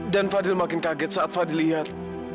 dan fadil makin kaget saat fadil lihat